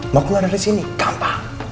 mau gue ngadain disini gampang